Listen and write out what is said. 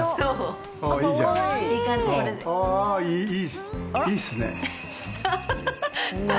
いいっすね。